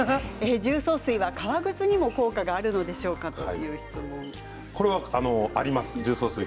重曹水は革靴にも効果があるのでしょうかという質問です。